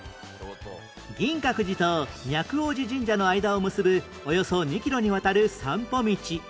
銀閣寺と若王子神社の間を結ぶおよそ２キロにわたる散歩道